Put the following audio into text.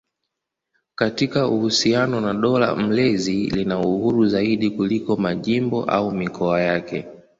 Katika uhusiano na dola mlezi lina uhuru zaidi kuliko majimbo au mikoa yake.